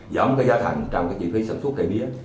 giảm cái giá thành trong cái chi phí sản xuất cây mía